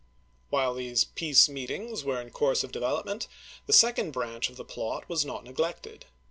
While these peace meetings were in course of development, the second branch of the plot was not neglected.